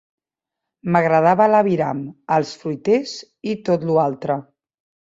M'agradava la viram, els fruiters i tot lo altre